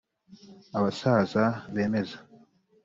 Abasaza bemeza